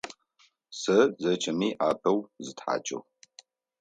Сэ зэкӏэми апэу зыстхьакӏыгъ.